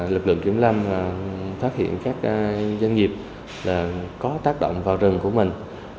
lực lượng kiểm lâm phát hiện các doanh nghiệp có tác động vào rừng của mình